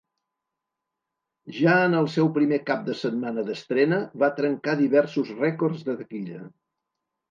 Ja en el seu primer cap de setmana d'estrena, va trencar diversos rècords de taquilla.